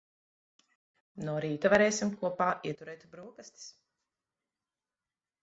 No rīta varēsim kopā ieturēt broksastis.